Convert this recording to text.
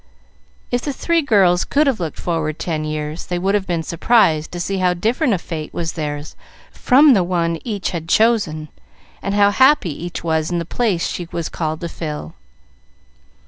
If the three girls could have looked forward ten years they would have been surprised to see how different a fate was theirs from the one each had chosen, and how happy each was in the place she was called to fill.